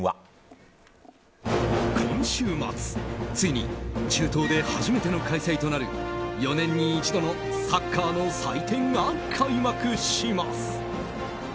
今週末、ついに中東で初めての開催となる４年に１度のサッカーの祭典が開幕します。